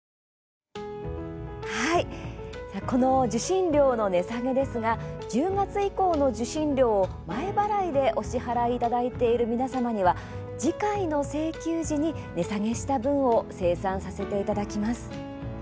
この受信料の値下げですが１０月以降の受信料を前払いでお支払いいただいている皆様には次回の請求時に値下げした分を精算させていただきます。